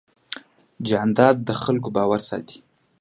جانداد د خلکو باور ساتي.